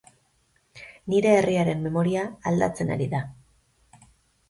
Nire herriaren memoria aldatzen ari da.